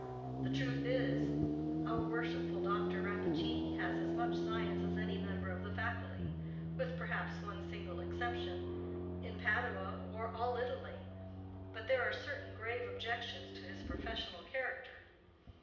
The truth is, our worshipful Dr. Rappaccini has as much science as any member of the faculty—with perhaps one single exception—in Padua, or all Italy; but there are certain grave objections to his professional character."